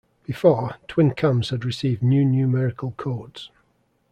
Before, twin cams had received new numerical codes.